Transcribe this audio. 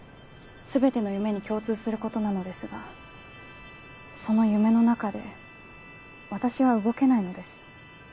全ての夢に共通することなのですがその夢の中で私は動けないのです。